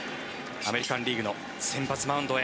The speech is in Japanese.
アメリカン・リーグの先発マウンドへ。